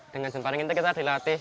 dengan jemparing ini kita dilatih